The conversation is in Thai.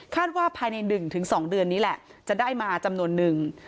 ว่าภายใน๑๒เดือนนี้แหละจะได้มาจำนวนนึง